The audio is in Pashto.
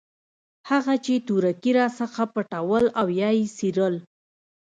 هغه چې تورکي راڅخه پټول او يا يې څيرل.